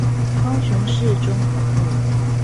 高雄市中華路